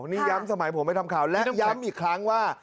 นี่ย้ำสมัยผมไปทำข่าวและย้ำอีกครั้งว่า